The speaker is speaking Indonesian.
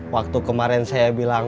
waktu kemarin saya bilang